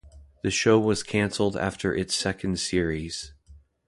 The show was cancelled after its second series.